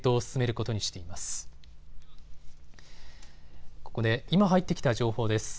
ここで今入ってきた情報です。